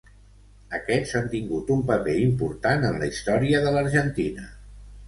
Aquests han tingut un paper important en la història de l'Argentina.